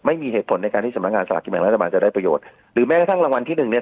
ไม่มีเหตุผลในการที่สำนักงานสลากกินแบ่งรัฐบาลจะได้ประโยชน์หรือแม้กระทั่งรางวัลที่หนึ่งเนี่ย